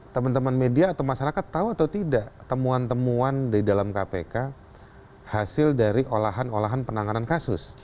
teman teman media atau masyarakat tahu atau tidak temuan temuan di dalam kpk hasil dari olahan olahan penanganan kasus